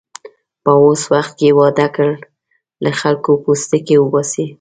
په اوس وخت کې واده کړل، له خلکو پوستکی اوباسي.